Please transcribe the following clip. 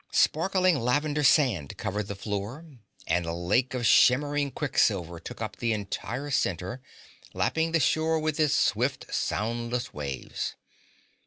Sparkling lavender sand covered the floor and a lake of shimmering quicksilver took up the entire center, lapping the shore with its swift soundless waves.